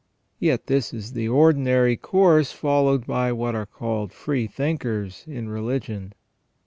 Yet this is the ordinary course followed by what are called free thinkers in religion.